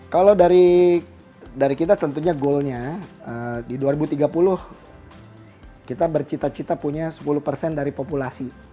kalau dari kita tentunya goalnya di dua ribu tiga puluh kita bercita cita punya sepuluh persen dari populasi